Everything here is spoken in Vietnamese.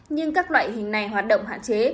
nhưng các loại hình này hoạt động hạn chế